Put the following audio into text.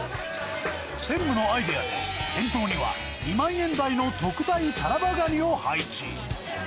専務のアイデアで、店頭には２万円台の特大タラバガニを配置。